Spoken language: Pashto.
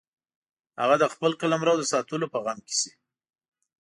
هغه د خپل قلمرو د ساتلو په غم کې شي.